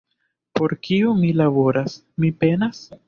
Por kiu mi laboras, mi penas?